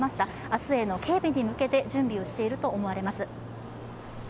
明日への警備に向けて準備をしていると思われます。